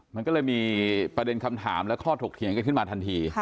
มันก็เลยมีประเด็นคำถามและข้อถกเถียงกันขึ้นมาทันที